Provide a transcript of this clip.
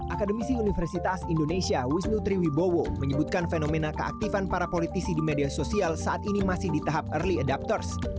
akademisi universitas indonesia wisnu triwibowo menyebutkan fenomena keaktifan para politisi di media sosial saat ini masih di tahap early adapters